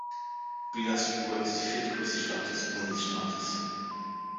Bilaspur ist die viertgrößte Stadt des Bundesstaates.